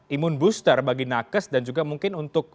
imun booster bagi nakes dan juga mungkin untuk